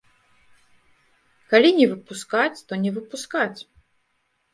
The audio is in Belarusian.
Калі не выпускаць, то не выпускаць.